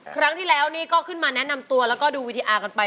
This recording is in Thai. ครั้งที่แล้วนี่ก็ขึ้นมาแนะนำตัวแล้วก็ดูวีดีอาร์กันไป